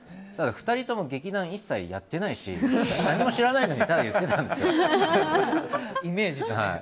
２人とも劇団一切やってないし何も知らないのにやってたんですイメージで。